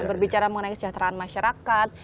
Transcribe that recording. berbicara mengenai kesejahteraan masyarakat